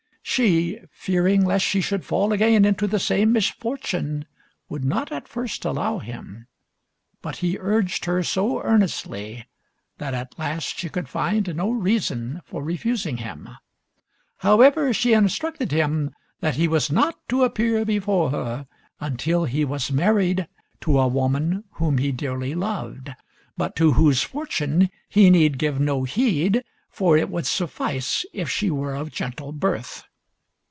She, fearing lest she should fall again into the same misfortune, would not at first allow him, but he urged her so earnestly that at last she could find no reason for refusing him. However, she instructed him that he was not to appear before her until he was married to a woman whom he dearly loved; but to whose fortune he need give no heed, for it would suffice if she were of gentle birth.